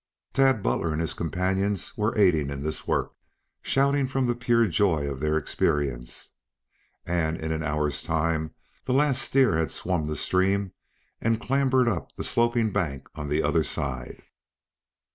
Tad Butler and his companions were aiding in this work, shouting from the pure joy of their experience, and, in an hour's time, the last steer had swum the stream and clambered up the sloping bank on the other side.